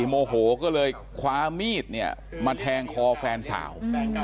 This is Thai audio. โมโหก็เลยคว้ามีดเนี่ยมาแทงคอแฟนสาว